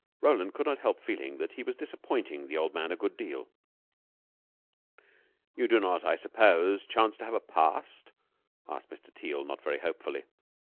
Roland could not help feeling that he was disappointing the old man a good deal. "You do not, I suppose, chance to have a past?" asked Mr. Teal, not very hopefully.